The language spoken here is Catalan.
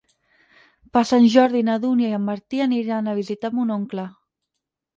Per Sant Jordi na Dúnia i en Martí aniran a visitar mon oncle.